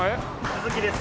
鈴木です。